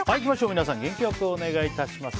皆さん元気良くお願いいたします。